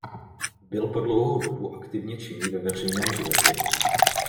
Byl po dlouhou dobu aktivně činný ve veřejném životě.